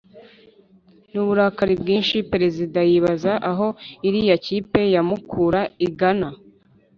N’uburakari bwinshi, Perezida yibaza aho iriya kipe ya Mukura igana,